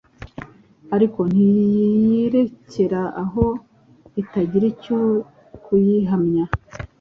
Ariko ntiyirekera aho itagira icyo kuyihamya,